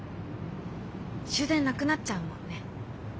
終電なくなっちゃうもんね。